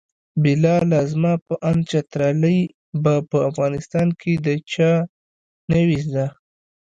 بلاله زما په اند چترالي به په افغانستان کې د چا نه وي زده.